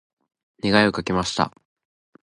願いをかけました。